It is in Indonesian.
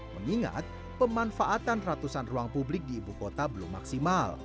mengingat pemanfaatan ratusan ruang publik di ibukota belum maksimal